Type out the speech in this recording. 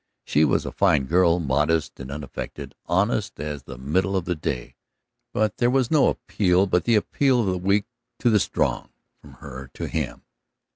She was a fine girl, modest and unaffected, honest as the middle of the day, but there was no appeal but the appeal of the weak to the strong from her to him.